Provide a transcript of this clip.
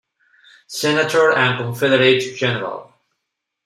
Senator and a Confederate general.